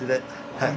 はい。